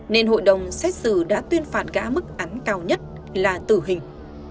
nên hội đồng xét xử đã tuyên phạt gã mức án cao nhất là tử hình